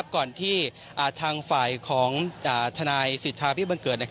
ก่อนที่ทางฝ่ายของทนสิทธิบันเกิด